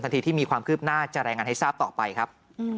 ทีที่มีความคืบหน้าจะรายงานให้ทราบต่อไปครับ